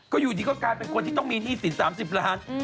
ก็อยู่ดีก็กลายเป็นคนที่ต้องมีหนี้สิน๓๐ล้าน